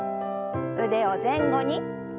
腕を前後に。